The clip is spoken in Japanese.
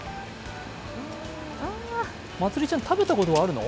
まつりちゃん、食べたことはあるの？